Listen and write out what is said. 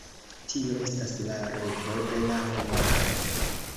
Tio estas la revo de la homaro.